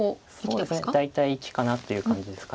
そうですね大体生きかなという感じですか。